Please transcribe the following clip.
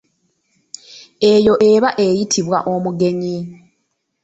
Eyo eba eyitibwa omugenyi.